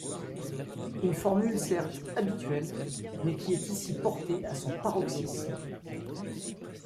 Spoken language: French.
Une formule certes habituelle, mais qui est ici portée à son paroxysme.